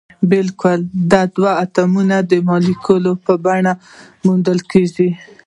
بلکې د دوه اتومي مالیکول په بڼه موندل کیږي.